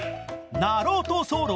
ナロトソロ？